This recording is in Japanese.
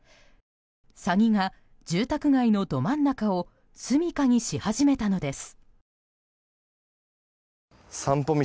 サギが住宅街のど真ん中をすみかにし始めたのです。